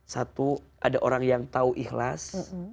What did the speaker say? satu ada orang yang tahu ikhlas